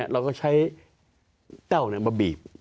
เต้ามาบีบ